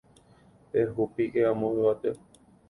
Pehupíke amo yvate